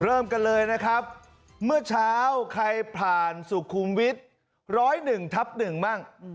เริ่มกันเลยนะครับเมื่อเช้าใครผ่านสุขุมวิทย์๑๐๑ทับ๑บ้าง